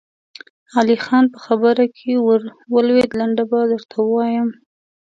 علی خان په خبره کې ور ولوېد: لنډه به يې درته ووايم.